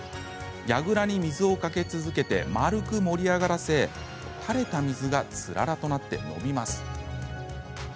やぐらに水をかけ続けて丸く盛り上がらせ垂れた水がつららとなって伸びます。